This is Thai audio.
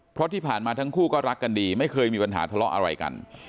เพราะที่ผ่านมาทั้งคู่ก็รักกันดีไม่เคยมีปัญหาทะเลาะอะไรกัน